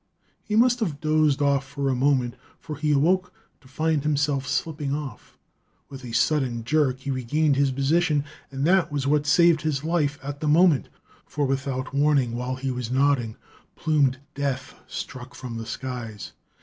He must have dozed off for a moment, for he awoke to find himself slipping off. With a sudden jerk he regained his position and that was what saved his life at that moment. For without warning, while he was nodding, plumed death struck from the skies.